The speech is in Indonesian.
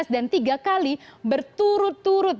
dan tiga kali berturut turut